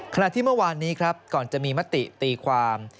ขณะที่เมื่อวานนี้ครับก่อนจะมีมติตีความ